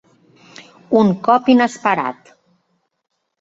Un cop inesperat.